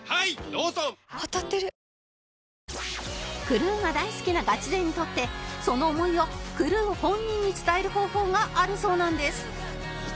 クルーが大好きなガチ勢にとってその思いをクルー本人に伝える方法があるそうなんです